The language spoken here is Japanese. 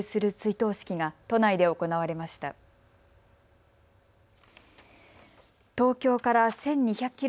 東京から１２００キロ